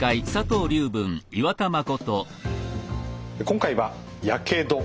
今回は「やけど」。